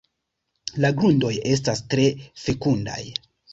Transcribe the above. La grundoj estas tre fekundaj.